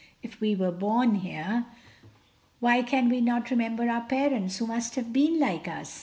If we were born here, why can we not remember our parents who must have been like us?